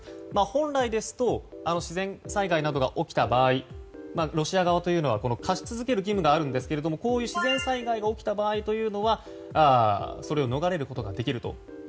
本来ですと自然災害などが起きた場合ロシア側は貸し続ける義務があるんですが自然災害が起きた場合というのはそれを逃れることができると。